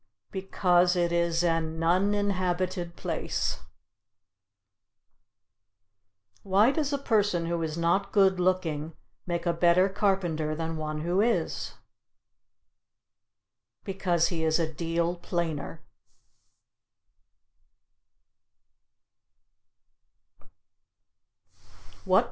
Because it is an (n)uninhabited place. Why does a person who is not good looking make a better carpenter than one who is? Because he is a deal plainer.